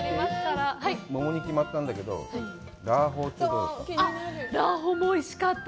桃に決まったんだけど、「ラーほー」ってどうだった？